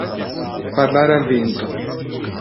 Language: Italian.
Parlare al vento.